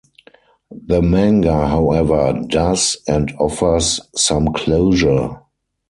The manga, however, does and offers some closure.